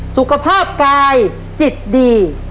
สุขภาพกายจิตดี